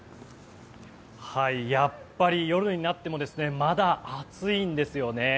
やっぱり夜になってもまだ暑いんですよね。